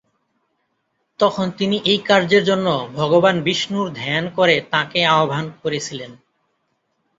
তখন তিনি এই কার্যের জন্য ভগবান বিষ্ণুর ধ্যান করে তাঁকে আহ্বান করেছিলেন।